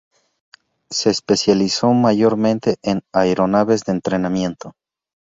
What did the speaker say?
Se especializó mayormente en aeronaves de entrenamiento.